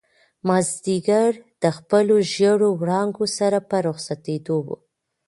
مازیګر د خپلو ژېړو وړانګو سره په رخصتېدو و.